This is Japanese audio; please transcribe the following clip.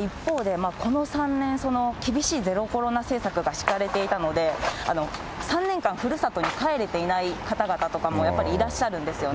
一方で、この３年、厳しいゼロコロナ政策が敷かれていたので、３年間ふるさとに帰れていない方々とかもやっぱりいらっしゃるんですよね。